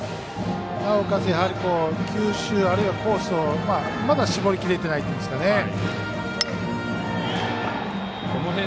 なおかつ、やはり球種あるいはコースをまだ絞りきれてないというんでしょうか。